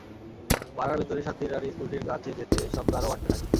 পাড়ার ভেতরে শান্তির রানি স্কুলটির কাছে যেতে শব্দ আরও বাড়তে থাকে।